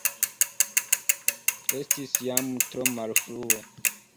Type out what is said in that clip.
Estis jam tro malfrue.